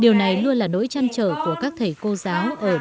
điều này luôn là nỗi trăn trở của các thầy cô giáo ở nơi đây